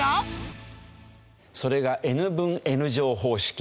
それがＮ分Ｎ乗方式。